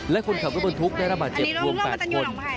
และคนขับรถบรรทุกได้ระบาดเจ็บรวม๘คน